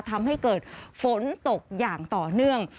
ทำให้เกิดฝนตกอย่างต่อเนื่อง